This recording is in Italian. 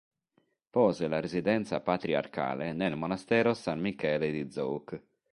Pose la residenza patriarcale nel monastero San Michele di Zouk.